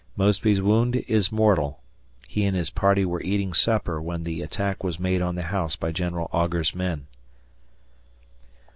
Mosby's wound is mortal. He and his party were eating supper when the attack was made on the house by General Augur's men.